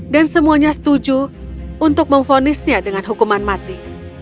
dan semuanya setuju untuk memfonisnya dengan hukuman mati